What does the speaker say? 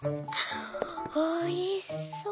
おいしそう！」。